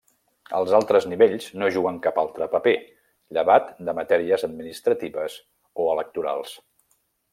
Els altres nivells no juguen cap altre paper, llevat de matèries administratives o electorals.